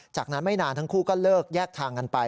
จากนั้นไม่นานทั้งคู่ก็เลิกแยกทางกันไป